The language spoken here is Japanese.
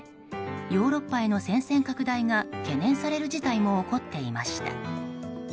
ヨーロッパへの戦線拡大が懸念される事態も起こっていました。